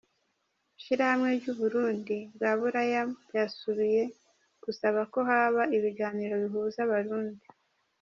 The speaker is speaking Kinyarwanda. Ishirahamwe ry’ubumwe bwa buraya ryasubiye gusaba ko haba ibiganiro bihuza abarundi.